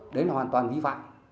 đấy là hoàn toàn vi phạm